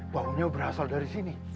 baunya berasal dari sini